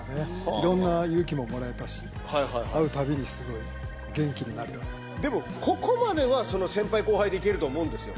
いろんな勇気ももらえたし、会うたびにすごい元気になるようでもここまでは、その先輩後輩でいけると思うんですよ。